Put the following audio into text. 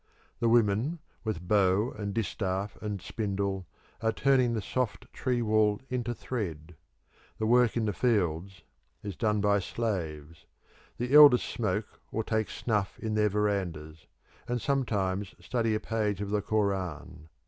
The women, with bow and distaff and spindle, are turning the soft tree wool into thread; the work in the fields is done by slaves. The elders smoke or take snuff in their verandahs, and sometimes study a page of the Koran.